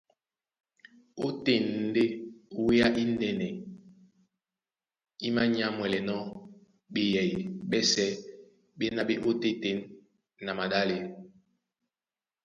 Ótên ndé wéá indɛ́nɛ í mānyámwɛlɛnɔ́ ɓeyɛy ɓɛ́sɛ̄ ɓéná ɓé e ot́téten a maɗále.